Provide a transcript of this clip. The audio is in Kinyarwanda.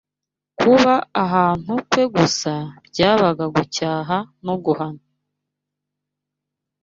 Kuba ahantu kwe gusa, byabaga gucyaha no guhana